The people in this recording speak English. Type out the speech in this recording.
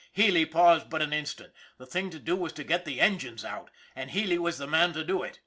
Healy paused but an instant. The thing to do was to get the engines out, and Healy was the man to do it.